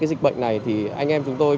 dịch bệnh này anh em chúng tôi